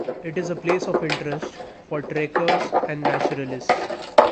It is a place of interest for trekkers and naturalists.